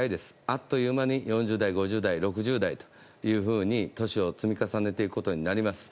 あっという間に５０代、６０代、７０代と年を積み重ねていくことになります。